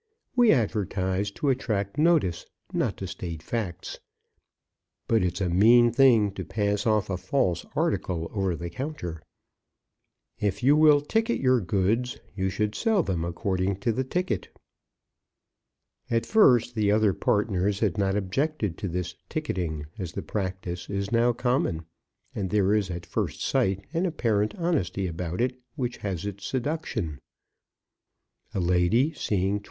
We advertise to attract notice, not to state facts. But it's a mean thing to pass off a false article over the counter. If you will ticket your goods, you should sell them according to the ticket." At first, the other partners had not objected to this ticketing, as the practice is now common, and there is at first sight an apparent honesty about it which has its seduction. A lady seeing 21_s.